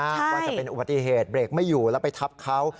ว่าจะเป็นอุบัติเหตุเบรกไม่อยู่แล้วไปทับเขา